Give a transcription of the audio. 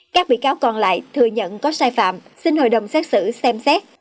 các bị cáo còn lại thừa nhận có sai phạm xin hội đồng xét xử xem xét